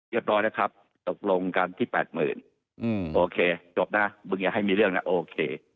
ร้อยนะครับตกลงกันที่๘๐๐๐โอเคจบนะมึงอย่าให้มีเรื่องนะโอเค